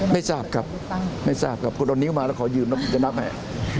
ไม่ทราบครับไม่ทราบครับคุณเอานิ้วมาแล้วขอยืมแล้วคุณจะนับไหม